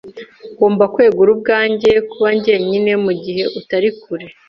Ngomba kwegura ubwanjye kuba njyenyine mugihe utari kure.